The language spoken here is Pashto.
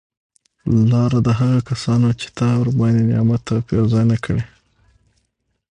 لاره د هغه کسانو چې تا ورباندي نعمت او پیرزونه کړي